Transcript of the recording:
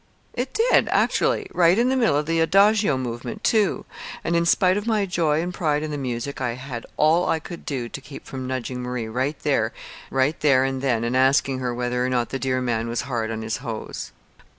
It did, actually right in the middle of the adagio movement, too. And in spite of my joy and pride in the music I had all I could do to keep from nudging Marie right there and then and asking her whether or not the dear man was hard on his hose."